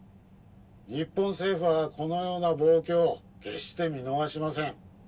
「日本政府はこのような暴挙を決して見逃しません」